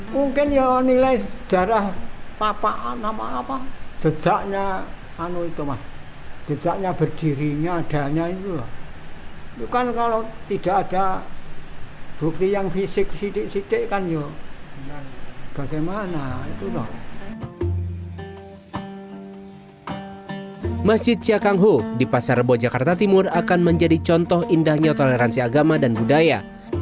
masjid cia kang ho di pasar rebo jakarta timur akan menjadi contoh indahnya toleransi agama dan budaya